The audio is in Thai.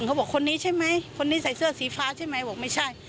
เขาบอกคนนี้ใช่ไหมคนนี้ใส่เสื้อสีฟ้าใช่ไหมบอกไม่ใช่